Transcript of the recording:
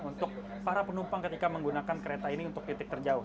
untuk para penumpang ketika menggunakan kereta ini untuk titik terjauh